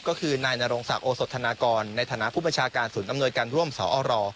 ก็คือนายนรงศักดิ์โอสธนากรในฐานะผู้บัญชาการศูนย์อำนวยการร่วมสอร